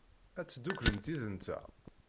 Ad tedduklemt yid-nteɣ?